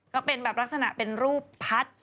ก็เป็นแบบลักษณะเป็นรูปพัด